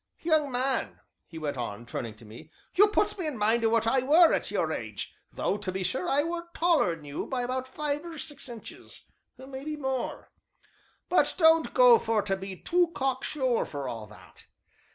Young man," he went on, turning to me, "you puts me in mind o' what I were at your age though, to be sure, I were taller 'n you by about five or six inches, maybe more but don't go for to be too cock sure for all that.